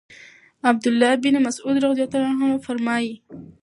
عَبْد الله بن مسعود رضی الله عنه فرمايي: